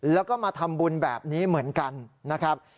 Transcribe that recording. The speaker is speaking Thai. แล้วก็มาทำบุญแบบนี้เหมือนกันนะครับ